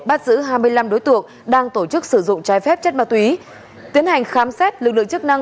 bắt giữ hai mươi năm đối tượng đang tổ chức sử dụng trái phép chất ma túy tiến hành khám xét lực lượng chức năng